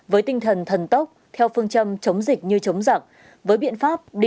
với tinh thần thần tốc theo phương châm chống dịch như chống giặc